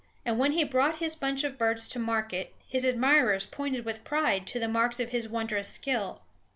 And when he brought his bunch of birds to market, his admirers pointed with pride to the marks of his wondrous skill.